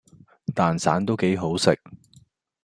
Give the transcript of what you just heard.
蛋散都幾好食